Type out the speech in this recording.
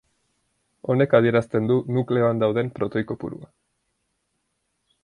Honek adierazten du nukleoan dauden protoi kopurua.